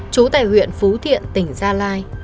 trú tại huyện phú thiện tỉnh gia lai